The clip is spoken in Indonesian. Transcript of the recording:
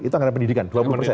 itu anggaran pendidikan